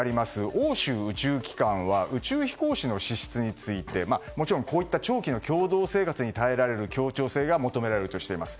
欧州宇宙機関は宇宙飛行士の資質についてもちろんこういった長期の共同生活に耐えられる協調性が求められるとしています。